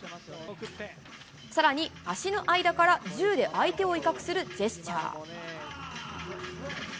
さらに足の間から銃で相手を威嚇するジェスチャー。